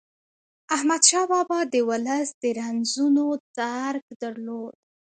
احمدشاه بابا د ولس د رنځونو درک درلود.